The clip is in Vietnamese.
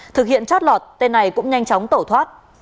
thực hiện chót lọt tên này cũng nhanh chóng tổ thoát